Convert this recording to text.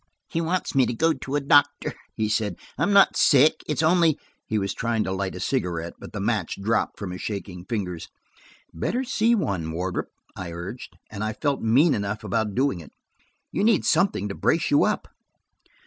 "He wants me to go to a doctor," he said. "I'm not sick; it's only–" He was trying to light a cigarette, but the match dropped from his shaking fingers. "Better see one, Wardrop," I urged–and I felt mean enough about doing it. "You need something to brace you up."